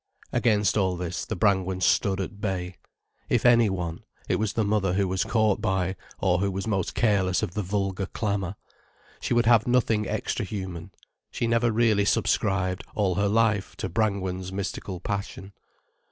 Against all this, the Brangwens stood at bay. If any one, it was the mother who was caught by, or who was most careless of the vulgar clamour. She would have nothing extra human. She never really subscribed, all her life, to Brangwen's mystical passion.